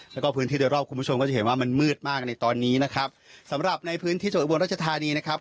แล้วก็พื้นที่โดยรอบคุณผู้ชมก็จะเห็นว่ามันมืดมากในตอนนี้นะครับสำหรับในพื้นที่จังหวัดอุบลรัชธานีนะครับ